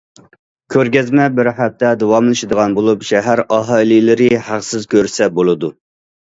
كۆرگەزمە بىر ھەپتە داۋاملىشىدىغان بولۇپ، شەھەر ئاھالىلىرى ھەقسىز كۆرسە بولىدۇ.